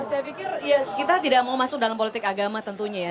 saya pikir kita tidak mau masuk dalam politik agama tentunya ya